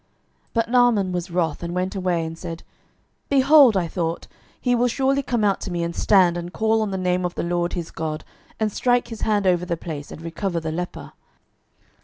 12:005:011 But Naaman was wroth, and went away, and said, Behold, I thought, He will surely come out to me, and stand, and call on the name of the LORD his God, and strike his hand over the place, and recover the leper.